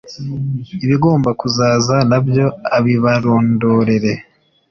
ibigomba kuzaza na byo abibarondorere!